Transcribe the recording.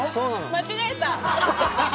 間違えた！